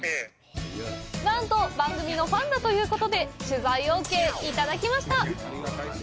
なんと、番組のファンだということで取材オーケーいただきました！